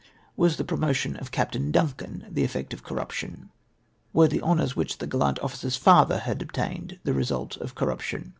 Was the promotion of Captain Duncan the effect of corruption ? Were the honours which that gallant officer's father had obtained the result of corruption